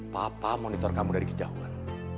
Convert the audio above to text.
papa monitor kamu dari kejauhan